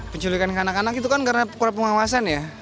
penculikan ke anak anak itu kan karena kurang pengawasan ya